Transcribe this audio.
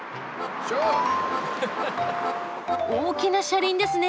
大きな車輪ですね。